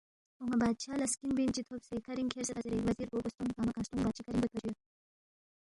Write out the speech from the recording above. اون٘ا بادشاہ لہ سکِن بِن چی تھوبسے کَھرِنگ کھیرسیدا زیرے، وزیر گو گو ستونگ کنگمہ کنگ ستونگ بادشی کَھرِنگ گویدپا جُو